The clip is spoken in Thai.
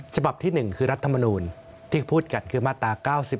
ฉบับที่๑คือรัฐมนูลที่พูดกันคือมาตรา๙๑